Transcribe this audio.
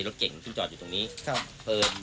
รถเก่งจอดอยู่ตรงนี้